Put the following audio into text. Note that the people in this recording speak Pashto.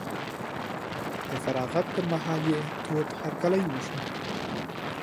د فراغت پر مهال یې تود هرکلی وشو.